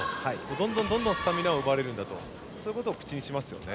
どんどんスタミナを奪われるんだとそういうことを口にしますよね。